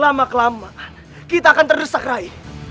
lama kelamaan kita akan terdesak rai